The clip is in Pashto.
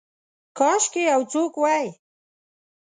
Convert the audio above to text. کاشکي یو څوک وی